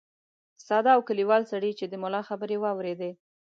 ساده او کلیوال سړي چې د ملا خبرې واورېدې.